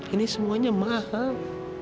ini semuanya mahal